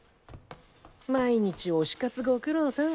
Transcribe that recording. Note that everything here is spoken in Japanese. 毎日推し活ごくろさん。